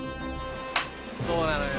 そうなのよ。